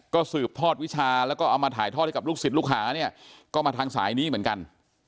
ก็สืบทอดวิชาแล้วก็เอามาถ่ายทอดให้กับลูกศิษย์ลูกหาเนี่ยก็มาทางสายนี้เหมือนกัน